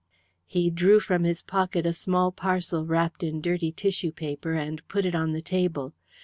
He drew from his pocket a small parcel wrapped in dirty tissue paper, and put it on the table.